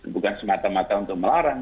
bukan semata mata untuk melarang